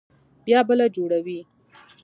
بيا بله جوړوي.